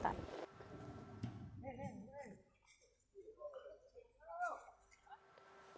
dan saat ini tni dan basarnas telah menemukan pencarian yang berhasil